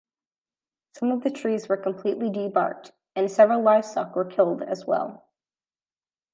Some of the trees were completely debarked, and several livestock were killed as well.